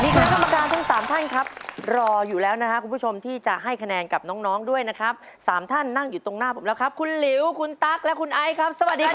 คณะกรรมการทั้งสามท่านครับรออยู่แล้วนะครับคุณผู้ชมที่จะให้คะแนนกับน้องด้วยนะครับสามท่านนั่งอยู่ตรงหน้าผมแล้วครับคุณหลิวคุณตั๊กและคุณไอซ์ครับสวัสดีครับ